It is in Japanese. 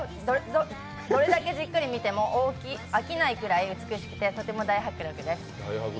どれだけじっくり見ても飽きないくらい、とても大迫力です。